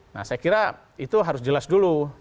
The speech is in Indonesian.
nah saya kira itu harus jelas dulu